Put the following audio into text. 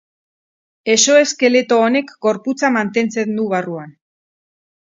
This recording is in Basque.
Exoeskeleto honek gorputza mantentzen du barruan.